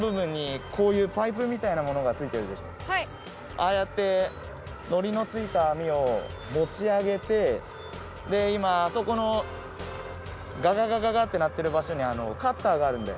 ああやってのりのついたあみをもち上げてでいまあそこのガガガガガッてなってるばしょにカッターがあるんだよ。